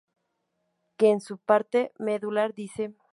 Que en su parte medular dice.